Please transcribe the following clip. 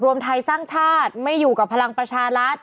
รวมไทยสร้างชาติไม่อยู่กับพลังประชารัฐ